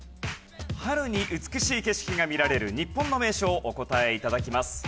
春に美しい景色が見られる日本の名所をお答え頂きます。